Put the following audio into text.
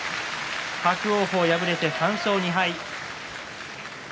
伯桜鵬、敗れて３勝２敗。